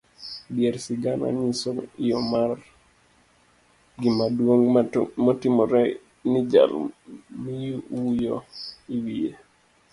Dier sigana nyiso yoo mar gima duong' matimore ni jal miwuyo iwiye.